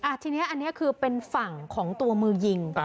ทีนี้อันนี้คือเป็นฝั่งของตัวมือยิง